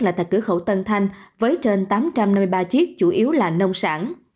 là tại cửa khẩu tân thanh với trên tám trăm năm mươi ba chiếc chủ yếu là nông sản